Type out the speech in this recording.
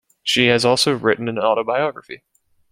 She has also written an autobiography.